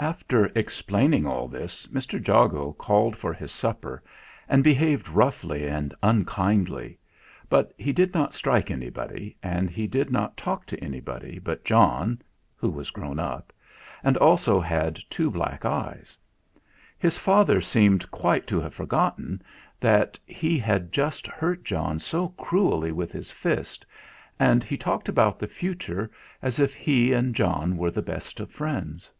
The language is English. After explaining all this, Mr. Jago called for his supper and behaved roughly and un kindly; but he did not strike anybody, and he 81 82 THE FLINT HEART did not talk to anybody but John, who was grown up, and also had two black eyes. His father seemed quite to have forgotten that he had just hurt John so cruelly with his fist, and he talked about the future as if he and John were the best of friends.